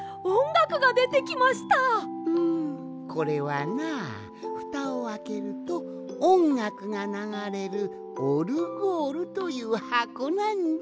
んこれはなふたをあけるとおんがくがながれるオルゴールというはこなんじゃ。